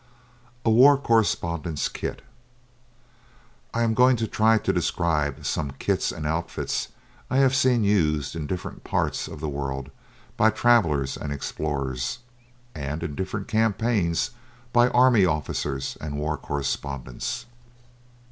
A WAR CORRESPONDENT'S KIT I am going to try to describe some kits and outfits I have seen used in different parts of the world by travellers and explorers, and in different campaigns by army officers and war correspondents.